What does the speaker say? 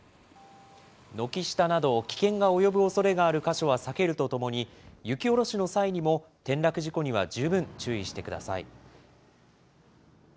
軒下など危険が及ぶ箇所は避けるとともに、雪下ろしの際にも、転落事故には十分注意してください。